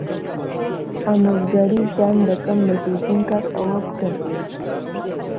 ئامۆژگاریتان دەکەم بە زووترین کات ئەوە بکەن.